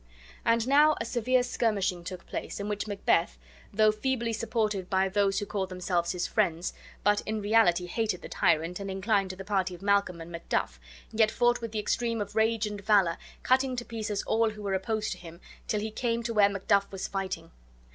And now a severe skirmishing took place, in which Macbeth, though feebly supported by those who called themselves his friends, but in reality hated the tyrant and inclined to the party of Malcolm and Macduff, yet fought with the extreme of rage and valor, cutting to pieces all who were opposed to him, till he came to where Macduff was fighting.